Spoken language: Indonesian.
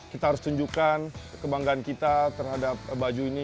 kita harus tunjukkan kebanggaan kita terhadap baju ini